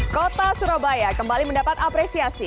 kota surabaya kembali mendapat apresiasi